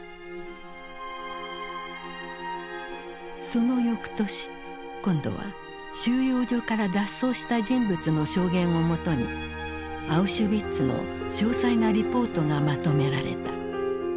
そのよくとし今度は収容所から脱走した人物の証言をもとにアウシュビッツの詳細なリポートがまとめられた。